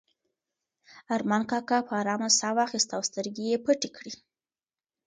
ارمان کاکا په ارامه ساه واخیسته او سترګې یې پټې کړې.